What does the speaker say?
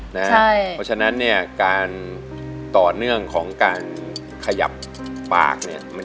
เพราะฉะนั้นการต่อเนื่องของการขยับปาก